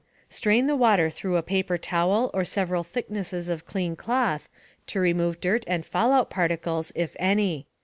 Strain the water through a paper towel or several thicknesses of clean cloth, to remove dirt and fallout particles, if any.